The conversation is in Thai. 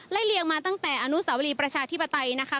เลียงมาตั้งแต่อนุสาวรีประชาธิปไตยนะคะ